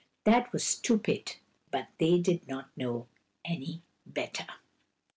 That was stupid, but they did not know any better.